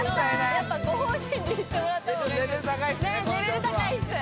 やっぱご本人にいってもらった方がいいレベル高いっすね